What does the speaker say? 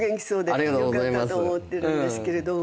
よかったと思ってるんですけども。